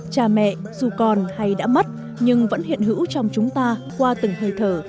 cha mẹ dù còn hay đã mất nhưng vẫn hiện hữu trong chúng ta qua từng hơi thở